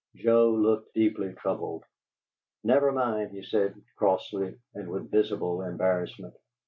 Joe looked deeply troubled. "Never mind," he said, crossly, and with visible embarrassment.